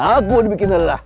aku dibikin lelah